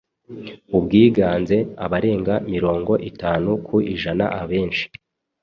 Ubwiganze: abarenga mirongo itanu ku ijana, abenshi.